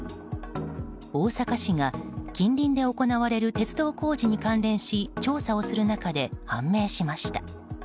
大阪市が近隣で行われる鉄道工事に関連し調査をする中で判明しました。